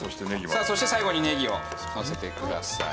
さあそして最後にねぎをのせてください。